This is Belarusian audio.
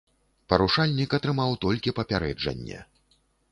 Парушальнік атрымаў толькі папярэджанне.